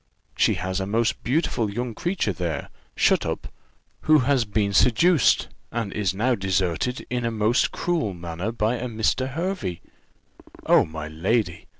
She has a most beautiful young creature there, shut up, who has been seduced, and is now deserted in a most cruel manner by a Mr. Hervey. Oh, my lady!